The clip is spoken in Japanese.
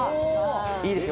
いいですよ！